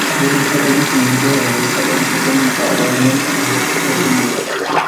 জগতের সকল বস্তুর মধ্যে দেহই আমাদের সর্বাপেক্ষা সন্নিহিত, আবার মন তাহা অপেক্ষাও সন্নিহিত।